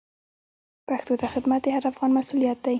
پښتو ته خدمت د هر افغان مسوولیت دی.